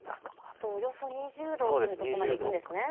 あとおよそ２０度というところまでいくんですね。